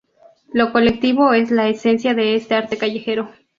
Lo colectivo es la esencia de este arte callejero.